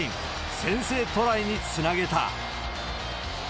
先制トライにつなげた。